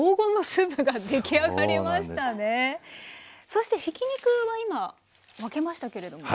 そしてひき肉は今分けましたけれども。